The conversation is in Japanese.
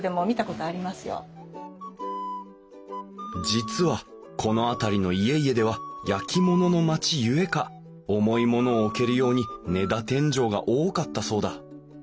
実はこの辺りの家々では焼き物の町ゆえか重い物を置けるように根太天井が多かったそうだ